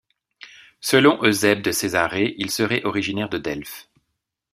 Selon Eusèbe de Césarée, il serait originaire de Delphes.